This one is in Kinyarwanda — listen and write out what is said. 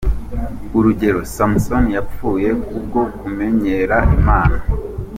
Urugero, Samusoni yapfuye ku bwo kumenyera Imana:.